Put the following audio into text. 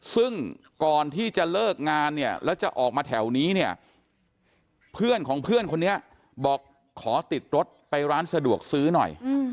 ซึ่งก่อนที่จะเลิกงานเนี่ยแล้วจะออกมาแถวนี้เนี่ยเพื่อนของเพื่อนคนนี้บอกขอติดรถไปร้านสะดวกซื้อหน่อย